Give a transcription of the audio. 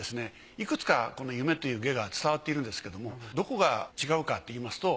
いくつかこの夢という偈が伝わっているんですけどもどこが違うかっていいますと。